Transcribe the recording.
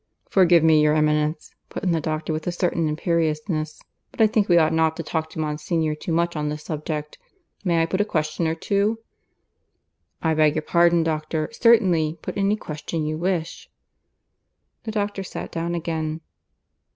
"Forgive me, your Eminence," put in the doctor, with a certain imperiousness, "but I think we ought not to talk to Monsignor too much on this subject. May I put a question or two?" "I beg your pardon, doctor. Certainly. Put any question you wish." The doctor sat down again.